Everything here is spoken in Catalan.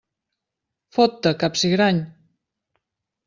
Fot-te, capsigrany!